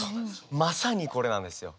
まさにこれなんですよ。